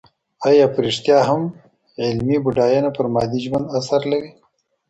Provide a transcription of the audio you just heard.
ايا په رښتيا هم علمي بډاينه پر مادي ژوند اثر لري؟